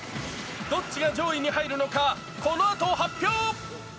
どっちが上位に入るのか、このあと発表。